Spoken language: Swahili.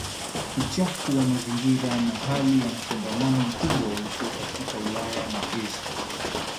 Uchafu wa mazingira na hali ya msongamano mkubwa ulikuwa katika Ulaya na Asia